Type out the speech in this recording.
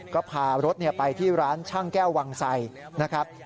ก็พารถไปที่ร้านช่างแก้ววังไสนะครับ